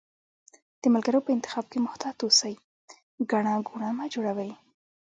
د ملګرو په انتخاب کښي محتاط اوسی، ګڼه ګوڼه مه جوړوی